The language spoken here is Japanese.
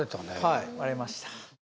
はい割れました